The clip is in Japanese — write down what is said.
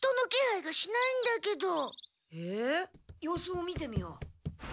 様子を見てみよう。